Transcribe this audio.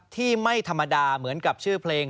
ที่ไม่ธรรมดาเหมือนกับชื่อเพลง